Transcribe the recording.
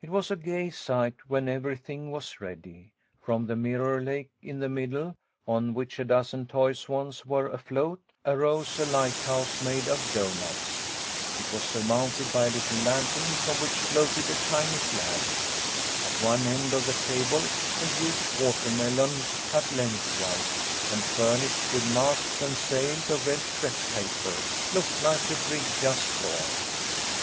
It was a gay sight when everything was ready. From the mirror lake in the middle, on which a dozen toy swans were afloat, arose a lighthouse made of doughnuts. It was surmounted by a little lantern from which floated a tiny flag. At one end of the table a huge watermelon cut lengthwise, and furnished with masts and sails of red crepe paper, looked like a brig just launched.